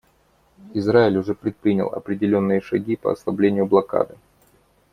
Израиль уже предпринял определенные шаги по ослаблению блокады.